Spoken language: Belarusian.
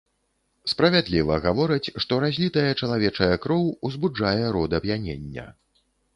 Справядліва гавораць, што разлітая чалавечая кроў узбуджае род ап'янення.